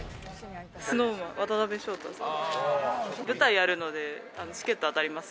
ＳｎｏｗＭａｎ・渡辺翔太さん。